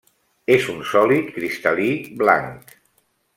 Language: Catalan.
És un sòlid cristal·lí blanc.